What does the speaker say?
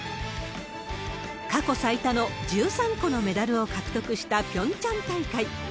過去最多の１３個のメダルを獲得したピョンチャン大会。